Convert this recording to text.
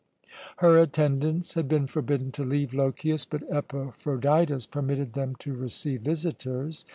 Her attendants had been forbidden to leave Lochias, but Epaphroditus permitted them to receive visitors.